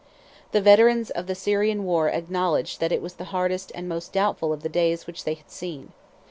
The veterans of the Syrian war acknowledged that it was the hardest and most doubtful of the days which they had seen.